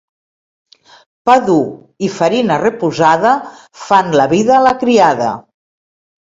Pa dur i farina reposada fan la vida a la criada.